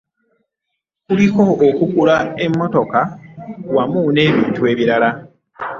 Kuliko okugula emmotoka wamu n'ebintu ebirala.